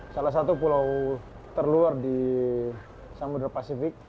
salah satu pulau terluar di samudera pasifik